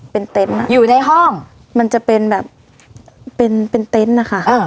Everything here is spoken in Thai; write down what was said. เป็นเต็นต์อ่ะอยู่ในห้องมันจะเป็นแบบเป็นเป็นเต็นต์นะคะ